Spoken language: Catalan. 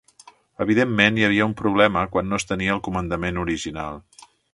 Evidentment hi havia un problema quan no es tenia el comandament original.